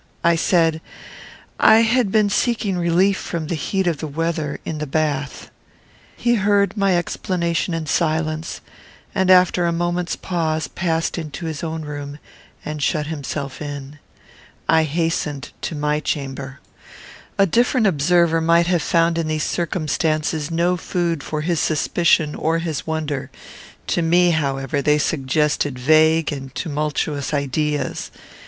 I said, "I had been seeking relief from the heat of the weather, in the bath." He heard my explanation in silence; and, after a moment's pause, passed into his own room, and shut himself in. I hastened to my chamber. A different observer might have found in these circumstances no food for his suspicion or his wonder. To me, however, they suggested vague and tumultuous ideas.